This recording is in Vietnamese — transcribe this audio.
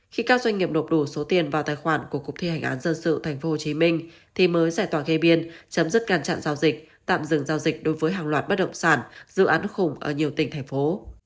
khi các doanh nghiệp nộp đủ số tiền vào tài khoản của cục thi hành án dân sự tp hcm thì mới giải tỏa gây biên chấm dứt càn trạng giao dịch tạm dừng giao dịch đối với hàng loạt bất động sản dự án khủng ở nhiều tỉnh thành phố